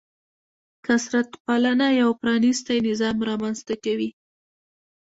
کثرت پالنه یو پرانیستی نظام رامنځته کوي.